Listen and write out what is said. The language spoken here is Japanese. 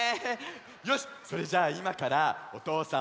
よしっそれじゃあいまからおとうさん